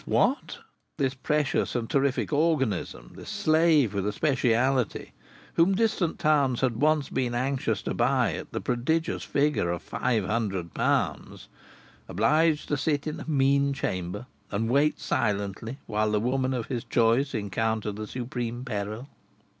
What, this precious and terrific organism, this slave with a specialty whom distant towns had once been anxious to buy at the prodigious figure of five hundred pounds obliged to sit in a mean chamber and wait silently while the woman of his choice encountered the supreme peril!